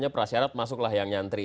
prasyarat masuklah yang nyantri